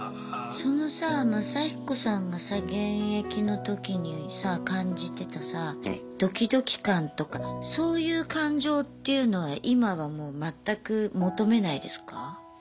そのさマサヒコさんがさ現役の時にさ感じてたさドキドキ感とかそういう感情っていうのは今はもう全く求めないですか？